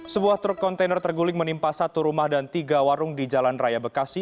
sebuah truk kontainer terguling menimpa satu rumah dan tiga warung di jalan raya bekasi